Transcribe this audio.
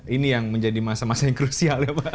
ini yang menjadi masa masa yang krusial ya pak